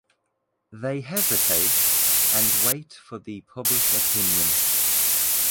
They hesitate, and wait for the public opinion.